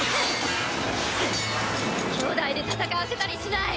兄弟で戦わせたりしない！